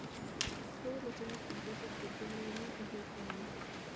Todos los temas compuestos por John Lennon y Yōko Ono.